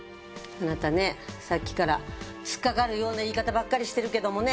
あなたねさっきから突っかかるような言い方ばっかりしてるけどもね